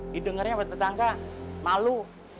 didengarnya sama tetangga malu